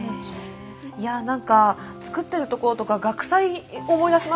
いや何か作ってるところとか学祭思い出しましたもん何か。